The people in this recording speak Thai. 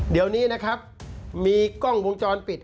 เดี๋ยวนี้นะครับมีกล้องวงจรปิด